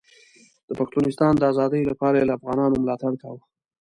د پښتونستان د ازادۍ لپاره یې له افغانانو ملاتړ کاوه.